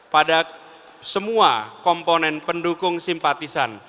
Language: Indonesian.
pada semua komponen pendukung simpatisan